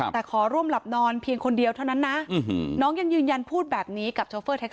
แต่ขอร่วมหลับนอนเพียงคนเดียวเท่านั้นนะน้องยังยืนยันพูดแบบนี้กับ